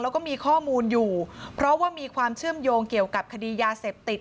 แล้วก็มีข้อมูลอยู่เพราะว่ามีความเชื่อมโยงเกี่ยวกับคดียาเสพติด